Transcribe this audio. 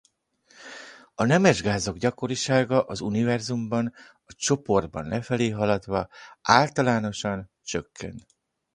A nemesgázok gyakorisága az univerzumban a csoportban lefelé haladva általánosan csökken.